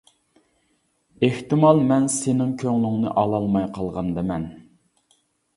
ئېھتىمال مەن سېنىڭ كۆڭلۈڭنى ئالالماي قالغاندىمەن.